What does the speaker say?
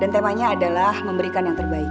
dan temanya adalah memberikan yang terbaik